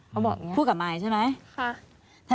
เขาบอกอย่างนี้พูดกับมายใช่ไหมค่ะ